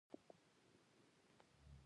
ښکلی اواز هم غټ نعمت دی.